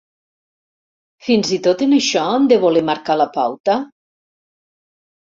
Fins i tot en això han de voler marcar la pauta?